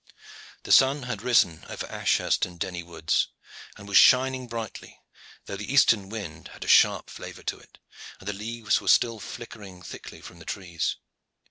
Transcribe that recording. The sun had risen over Ashurst and Denny woods, and was shining brightly, though the eastern wind had a sharp flavor to it, and the leaves were flickering thickly from the trees.